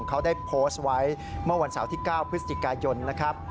เขาได้โพสต์ไว้เมื่อวันเสาร์ที่๙พฤศจิกายนนะครับ